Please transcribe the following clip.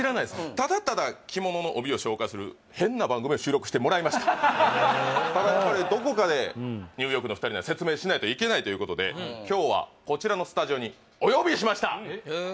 ただただ着物の帯を紹介するただやっぱりどこかでニューヨークの２人には説明しないといけないということで今日はこちらのスタジオにお呼びしましたえっ？